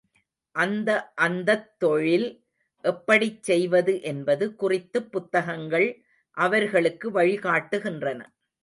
அந்த அந்தத் தொழில் எப்படிச் செய்வது என்பது குறித்துப் புத்தகங்கள் அவர்களுக்கு வழிகாட்டுகின்றன.